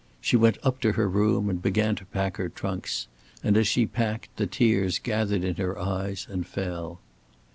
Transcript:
She went up to her room and began to pack her trunks. And as she packed, the tears gathered in her eyes and fell.